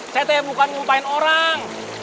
saya teh bukan nyumpain orang